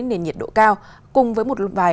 nền nhiệt độ cao cùng với một vài